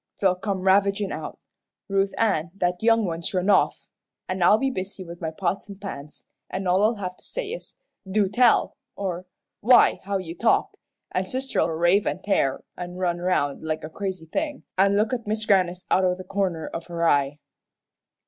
They'll come ravagin' out 'Ruth Ann, that young one's run off!' An' I'll be busy with my pots an' pans, an' all I'll have to say is: 'Do tell!' or, 'Why, how you talk!' An' sister'll rave an' tear, an' run round like a crazy thing, an' look at Mis' Grannis out o' the corner of her eye."